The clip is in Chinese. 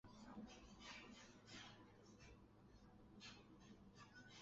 需要注意的是日本及美国近年亦采用低利率政策。